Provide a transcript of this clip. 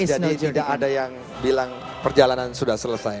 tidak ada yang bilang perjalanan sudah selesai